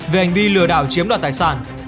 về hành vi lừa đảo chiếm đoạt tài sản